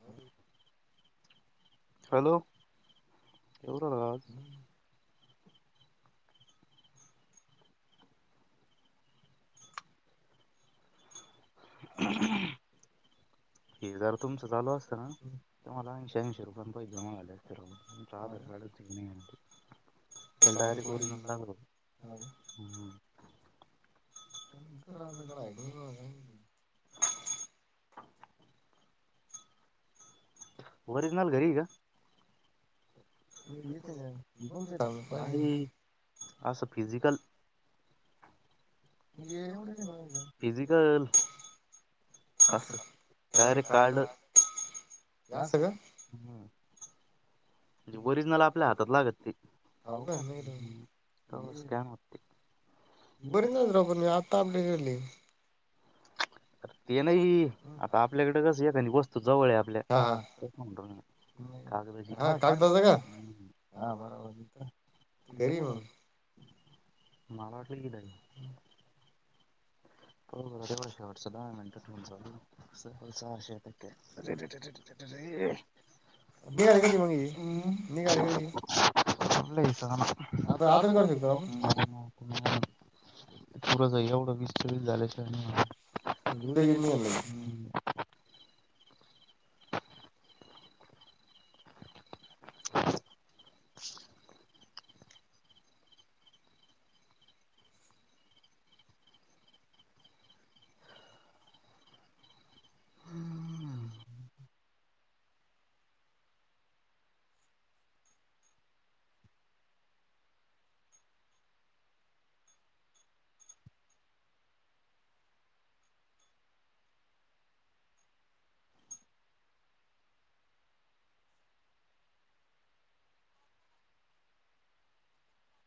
हाव डू हॅलो येवू राहीला का आवाज [inaudible] हे जर तुमचं चालू असतं ना तर मला ऐंशी ऐंशी रुपयांनी पैसे जमा झाले असते राव त्याचं आधार कार्डचं ठिक नाही हे त्याला डायरेक्टर ओरीजनल लागतं होतं हा का हंम् कडा [unintelligible] ओरीजनल घरी हे का? [unintelligible] [unintelligible] फिजिकल असं डायरेक्ट कार्ड हे असं का म्हणजे ओरिजनल आपल्या हातात लागत ते. बरी ना र मी आत्ता अपडेट झाली. तर ते नाही आता आपल्याकडे कस एखादी वस्तू जवळ आहे आपल्या हा तेच म्हणतो मी ग हा बघ हा बरोबर घरी [unintelligible] मला वाटलं कि ईढ हे हो वर्ष शेवटचे दहा मिनटात तर सहाशे तक [unintelligible] अ [inaudible] [inaudible] तरच एवढं विस्तरीत झाल्या शिवाय नाही होणार [unintelligible]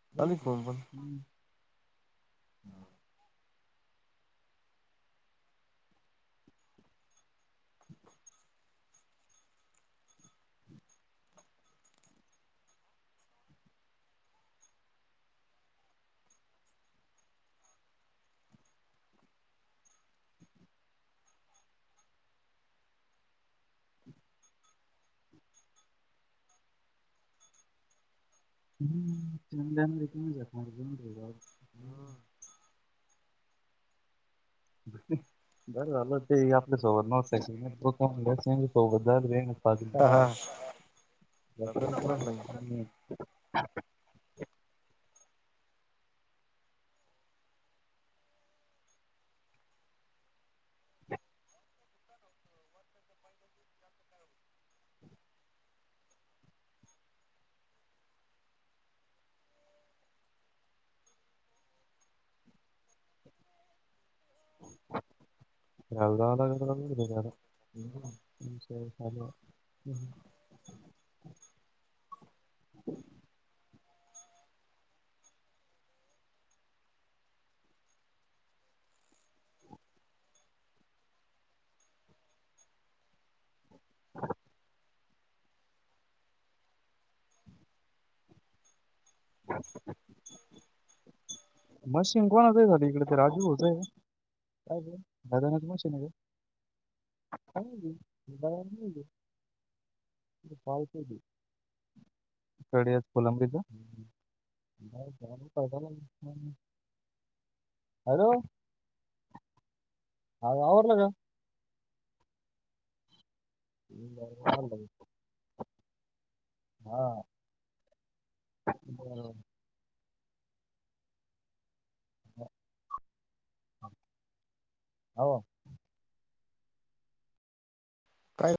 [inaudible] [unintelligible] बरं झालं ते आपल्यासोबत नसायचे [inaudible] सोबत झालं- पहा [unintelligible] [unintelligible] [inaudible] मशिन कोणाचं हेका तिकडं ते राजू भाऊचं हे का? का कमश न का [unintelligible] [unintelligible] [inaudible] हॅलो ह आवरल का [inaudible] हा बरं [inaudible] काय